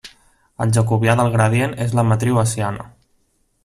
El jacobià del gradient és la matriu hessiana.